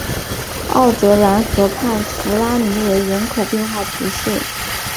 奥泽兰河畔弗拉维尼人口变化图示